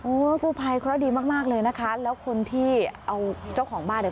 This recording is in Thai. กู้ภัยเคราะห์ดีมากมากเลยนะคะแล้วคนที่เอาเจ้าของบ้านเนี่ย